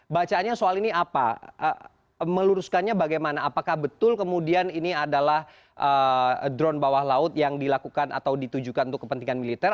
bacaannya soal ini apa meluruskannya bagaimana apakah betul kemudian ini adalah drone bawah laut yang dilakukan atau ditujukan untuk kepentingan militer